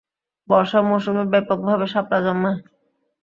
বর্ষা মৌসুমে ব্যপকভাবে শাপলা জন্মায়।